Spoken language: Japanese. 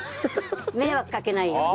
迷惑かけないように。